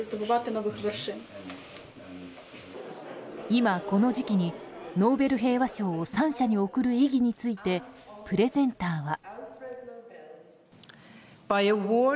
今、この時期にノーベル平和賞を３者に贈る意義についてプレゼンターは。